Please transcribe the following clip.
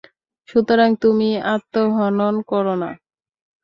সুতরাং তুমি আত্মহনন করো না।